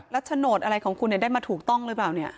แล้วโฉนดอะไรของคุณได้มาถูกต้องหรือเปล่าเนี่ย